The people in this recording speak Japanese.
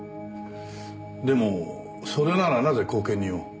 でもそれならなぜ後見人を。